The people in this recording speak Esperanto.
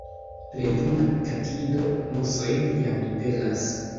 Plej juna katido musojn jam pelas.